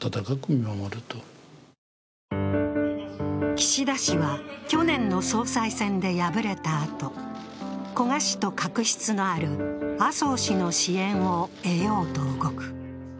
岸田氏は去年の総裁選で敗れたあと、古賀氏と確執のある麻生氏の支援を得ようと動く。